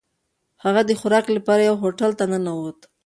هغه د خوراک لپاره یوه هوټل ته ننووت.